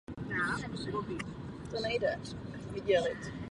Tuto krizi nelze vyřešit bez účasti a spolupráce východotimorských orgánů.